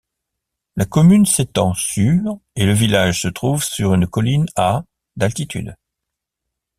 La commune s'étend sur et le village se trouve sur une colline à d'altitude.